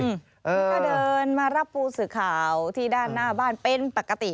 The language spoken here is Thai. แล้วก็เดินมารับผู้สื่อข่าวที่ด้านหน้าบ้านเป็นปกติ